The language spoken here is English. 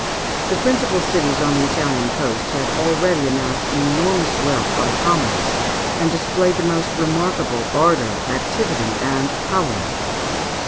The principal cities on the Italian coast had already amassed enormous wealth by commerce, and displayed the most remarkable ardour, activity, and power.